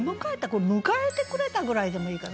これ「迎えてくれた」ぐらいでもいいかな。